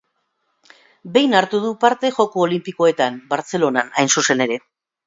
Behin hartu du parte Joko Olinpikoetan: Bartzelonan hain zuzen ere.